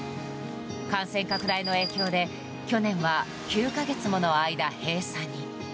感染拡大の影響で去年は９か月もの間、閉鎖に。